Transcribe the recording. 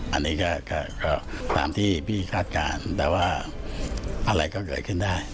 อันนี้ก็ตามที่พี่คาดการณ์แต่ว่าอะไรก็เกิดขึ้นได้